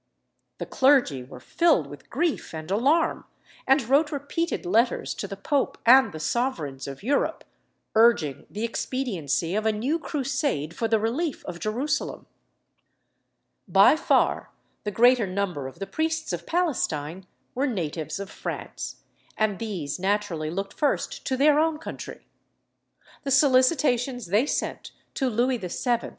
The clergy were filled with grief and alarm, and wrote repeated letters to the Pope and the sovereigns of Europe, urging the expediency of a new Crusade for the relief of Jerusalem. By far the greater number of the priests of Palestine were natives of France, and these naturally looked first to their own country. The solicitations they sent to Louis VII.